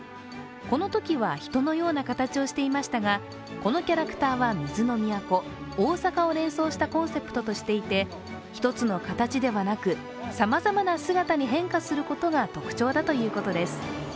このときは人のような形をしていましたが、このキャラクターは水の都・大阪を連想したコンセプトとしていて１つの形ではなくさまざまな姿に変化することが特徴だということです。